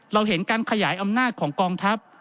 เราเห็นการขยายอำนาจของกองทัพ